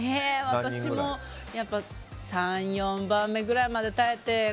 私も３４番目ぐらいまで耐えて。